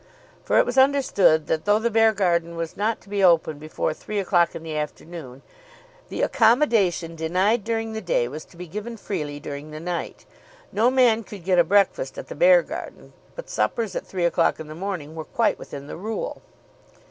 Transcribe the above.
For it was understood that, though the Beargarden was not to be open before three o'clock in the afternoon, the accommodation denied during the day was to be given freely during the night. No man could get a breakfast at the Beargarden, but suppers at three o'clock in the morning were quite within the rule.